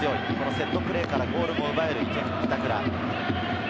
セットプレーからゴールを奪える板倉。